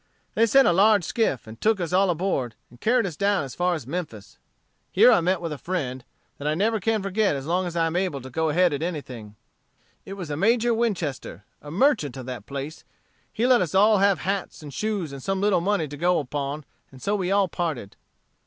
They sent a large skiff, and took us all on board, and carried us down as far as Memphis. Here I met with a friend, that I never can forget as long as I am able to go ahead at anything; it was a Major Winchester, a merchant of that place; he let us all have hats, and shoes, and some little money to go upon, and so we all parted.